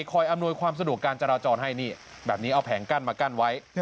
อำนวยความสะดวกการจราจรให้นี่แบบนี้เอาแผงกั้นมากั้นไว้